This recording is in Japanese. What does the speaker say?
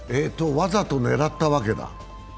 わざと狙ったわけだ。